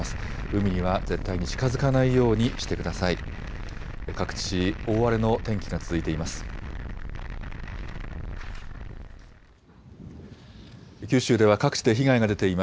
海には絶対に近づかないようにしてください。